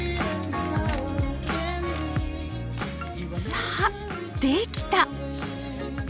さあできた！